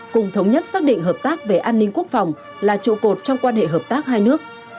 cùng thống nhất xác định hợp tác về an ninh quốc phòng là trụ cột trong quan hệ hợp tác hai nước